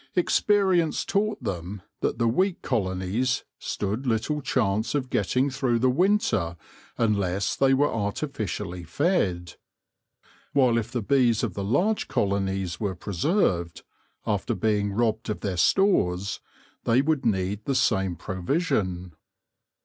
Experience taught them that the weak colonies stood little chance of getting through the winter unless they were artifici ally fed ; while if the bees of the large colonies were preserved, after being robbed of their stores, they would need the same provision.